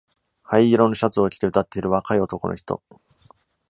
灰色のシャツを着て歌っている若い男の人。